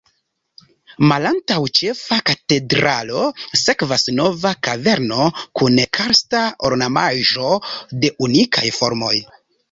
Malantaŭ Ĉefa katedralo sekvas Nova kaverno kun karsta ornamaĵo de unikaj formoj.